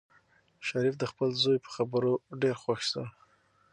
شریف د خپل زوی په خبرو ډېر خوښ شو.